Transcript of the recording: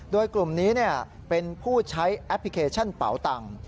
โดยกลุ่มนี้เป็นผู้ใช้แอปพลิเคชันเป๋าตังค์